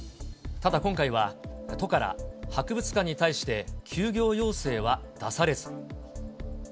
ただ今回は、都から博物館に対して、休業要請は出されず。